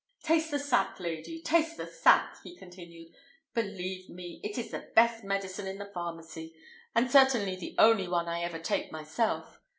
"Taste the sack, lady; taste the sack;" he continued. "Believe me, it is the best medicine in the pharmacy, and certainly the only one I ever take myself.